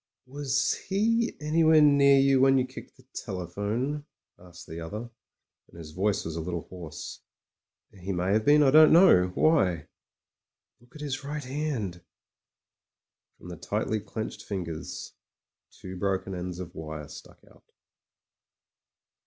"Was he anywhere near you when you kicked the telephone?" asked the other, and his voice was a little hoarse. "He may have been — I don't know. Why?" "Look at his right hand." From the tightly clenched fingers two broken ends of wire stuck out.